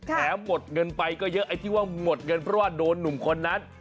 หมดเงินไปก็เยอะไอ้ที่ว่าหมดเงินเพราะว่าโดนหนุ่มคนนั้น